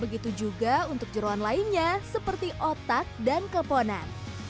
begitu juga untuk jeruan lainnya seperti otak dan komponen